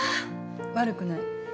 悪くない。